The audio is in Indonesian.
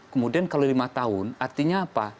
kemudian kalau lima tahun artinya apa